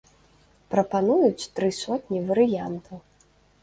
Прапануюць тры сотні варыянтаў.